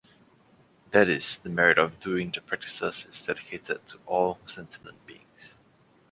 That is, the merit of doing the practices is dedicated to all sentient beings.